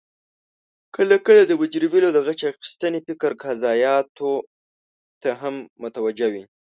کله کله د مجرمینو د غچ اخستنې فکر قاضیانو ته هم متوجه وي